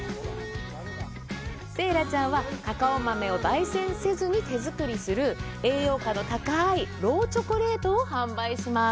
成来ちゃんは、カカオ豆をばい煎せずに手作りする栄養価の高いローチョコレートを販売します。